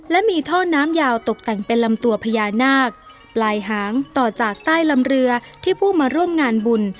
และมีท่อน้ำยาวตกแต่งเป็นลำตัวพญานาคปลายหางต่อจากใต้ลำเรือที่ผู้มาร่วมงานบุญ